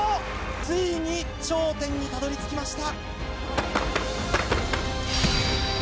ついに頂点にたどり着きました。